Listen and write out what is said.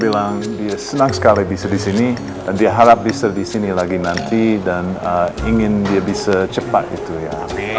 saya bilang dia senang sekali bisa di sini dan harap bisa di sini lagi nanti dan ingin dia bisa cepat itu ya